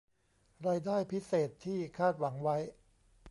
รายได้พิเศษที่คาดหวังไว้